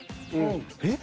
えっ？